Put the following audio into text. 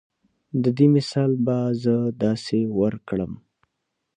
د دې مثال به زۀ داسې درکړم